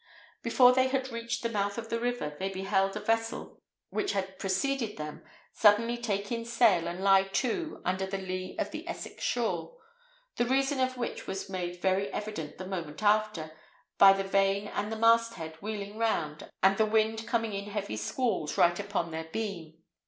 Before they had reached the mouth of the river, they beheld a vessel which had preceded them suddenly take in sail and lie to under the lee of the Essex shore; the reason of which was made very evident the moment after, by the vane at the mast head wheeling round, and the wind coming in heavy squalls right upon their beam.